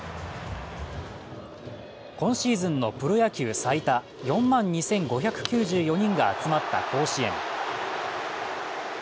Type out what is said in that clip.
今シーズンのプロ野球最多４万２５９４人が集まった甲子園。